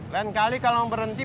lain kali kalo mau berhenti